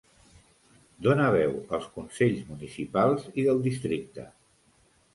Dona veu als consells municipals i del districte.